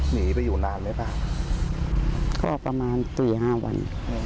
หนีไปอยู่นานไหมป้าก็ประมาณสี่ห้าวัน